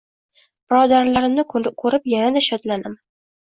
birodarlarimni ko‘rib yanada shodlanaman.